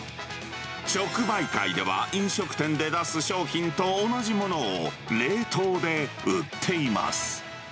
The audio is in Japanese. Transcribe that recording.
直売会では飲食店で出す商品と同じものを冷凍で売っています。